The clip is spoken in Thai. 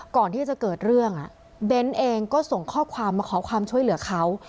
ก่อนที่จะเกิดเรื่องเบ้นเองก็ส่งข้อความมาขอความช่วยเหลือเขา